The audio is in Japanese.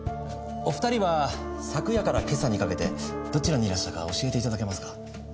お二人は昨夜から今朝にかけてどちらにいらしたか教えて頂けますか？